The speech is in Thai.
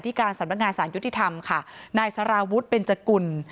การสำนักงานสารยุติธรรมค่ะนายสารวุฒิเบนจกุล